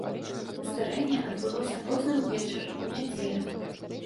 Здарэнне адбылося позна ўвечары ў нядзелю.